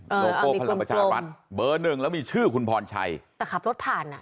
เออเอาอันนี้กลมโลโก้พลังประชาวรัฐเบอร์หนึ่งแล้วมีชื่อคุณพรชัยแต่ขับรถผ่านอ่ะ